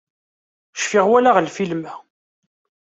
Cfiɣ walaɣ lfilm-a